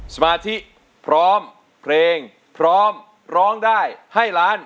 สมาธิพร้อมเพลงพร้อมร้องได้ให้ล้าน